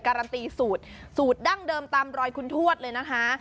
การันตีสูตรสูตรดั้งเดิมตามรอยคุณทวดเลยนะคะ